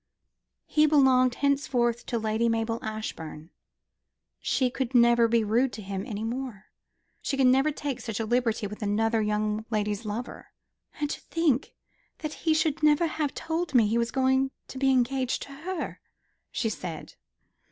He belonged henceforth to Lady Mabel Ashbourne. She could never be rude to him any more. She could not take such a liberty with another young lady's lover. "And to think that he should never have told me he was going to be engaged to her," she said.